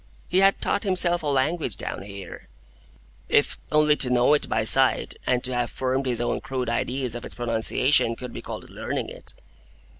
He had taught himself a language down here,—if only to know it by sight, and to have formed his own crude ideas of its pronunciation, could be called learning it.